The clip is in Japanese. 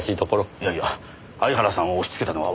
いやいや相原さんを押しつけたのは私ですから。